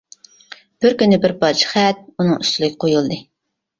بىر كۈنى بىر پارچە خەت ئۇنىڭ ئۈستىلىگە قويۇلدى.